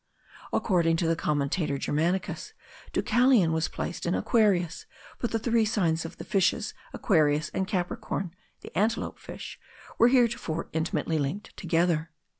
According to the commentator Germanicus, Deucalion was placed in Aquarius; but the three signs of the Fishes, Aquarius and Capricorn (the Antelope fish) were heretofore intimately linked together.